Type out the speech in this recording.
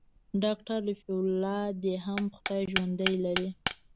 ډاکتر رفيع الله دې هم خداى ژوندى لري.